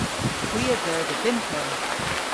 Hwi a dheu dhe bymp eur.